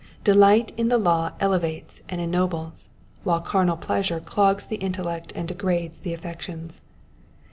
Delight in the law elevates and ennobles, while carnal pleasure clogs the intellect and degrades the affections.